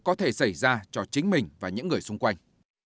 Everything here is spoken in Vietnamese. có thể xảy ra cho chính mình và những người xung quanh